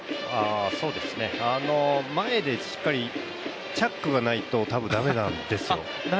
前でチャックがないと多分だめなんですよ。